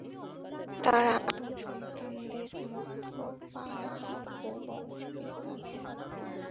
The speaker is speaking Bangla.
তারা আদম সন্তানদের মত পানাহার ও বংশ বিস্তার করে।